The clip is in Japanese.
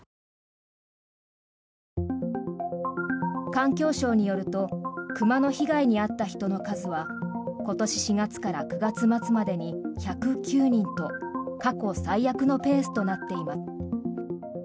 環境省によると熊の被害に遭った人の数は今年４月から９月末までに１０９人と過去最悪のペースになっています。